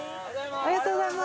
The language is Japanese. ・ありがとうございます